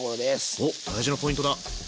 おっ大事なポイントだ！